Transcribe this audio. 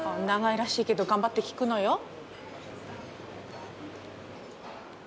長いらしいけど頑張って聞くのよ。